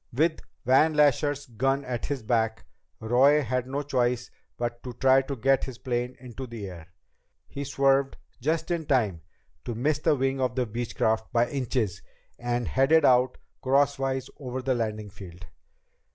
With Van Lasher's gun at his back, Roy had no choice but to try to get his plane into the air. He swerved just in time to miss the wing of the Beechcraft by inches and headed out crosswise over the landing field.